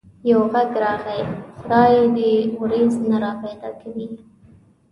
يو غږ راغی: خدای دي وريځ نه را پيدا کوي.